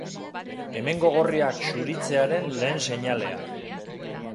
Hemengo gorriak xuritzearen lehen seinalea.